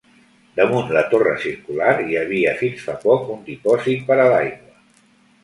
Damunt la torre circular hi havia fins fa poc un dipòsit per a l'aigua.